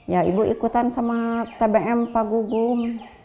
ya ibu ikutan sama tbm pak gugung